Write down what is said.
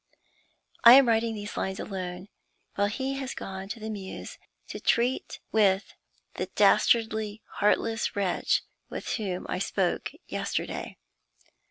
I am writing these lines alone while he has gone to the Mews to treat with the dastardly, heartless wretch with whom I spoke yesterday.